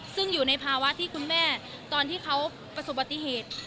ซึ่งอยู่ในภาวะที่คุณแม่ตอนที่เขาประสบปฏิเหตุ